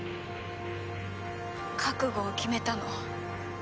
覚悟を決めたの。